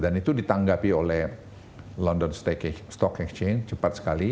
dan itu ditanggapi oleh london stock exchange cepat sekali